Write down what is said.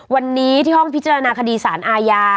วันนี้ที่ห้องพิจารณาคดีสารอาญา